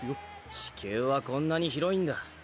地球はこんなに広いんだ。